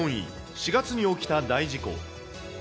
４月に起きた大事故。